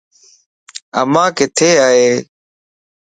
امان ڪٿيءَ؟